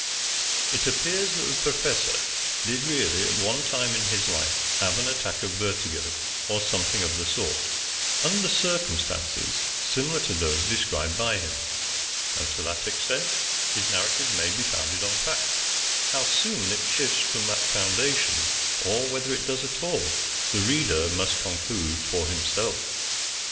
It appears that the professor did really, at one time in his life, have an attack of vertigo, or something of the sort, under circumstances similar to those described by him, and to that extent his narrative may be founded on fact How soon it shifts from that foundation, or whether it does at all, the reader must conclude for himself.